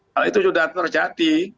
hal itu sudah terjadi